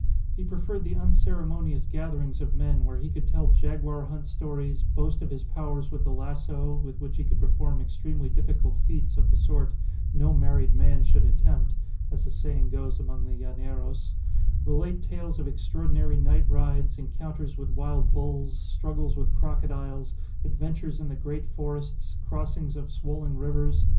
He preferred the unceremonious gatherings of men where he could tell jaguar hunt stories, boast of his powers with the lasso, with which he could perform extremely difficult feats of the sort "no married man should attempt," as the saying goes amongst the llaneros; relate tales of extraordinary night rides, encounters with wild bulls, struggles with crocodiles, adventures in the great forests, crossings of swollen rivers.